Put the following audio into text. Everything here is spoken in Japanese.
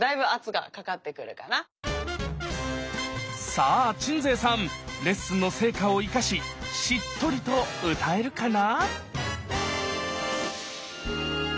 さあ鎮西さんレッスンの成果を生かししっとりと歌えるかな？